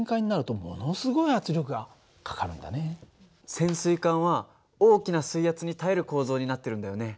潜水艦は大きな水圧に耐える構造になってるんだよね。